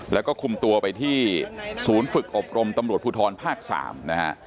แล้วก็คุมตัวไปที่ศูนย์ฝึกอบรมตำรวจภูทรภาค๓นะฮะ